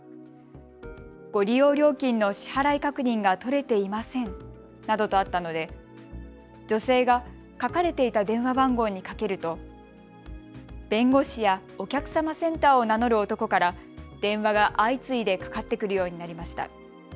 ご利用料金の支払い確認が取れていませんなどとあったので女性が書かれていた携帯電話番号にかけると弁護士やお客様センターを名乗る男から電話が相次いでかかってくるようになりました。